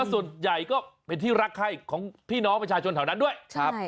ส่วนใหญ่ก็เป็นที่รักไข้ของพี่น้องประชาชนแถวนั้นด้วยครับ